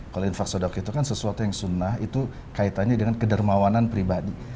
kalau infak sodoc itu kan sesuatu yang sunnah itu kaitannya dengan kedermawanan pribadi